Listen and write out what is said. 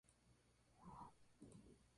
Los suizos no hicieron prisioneros.